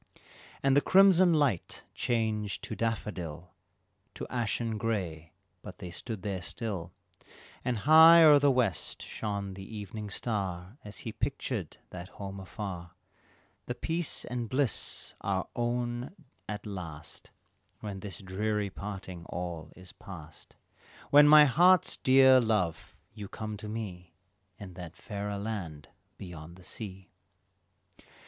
And the crimson light changed to daffodil To ashen gray, but they stood there still, And high o'er the west shone the evening star As still he pictured that home afar "The peace and the bliss our own at last When this dreary parting all is past, When my heart's dear love, you come to me In that fairer land beyond the sea."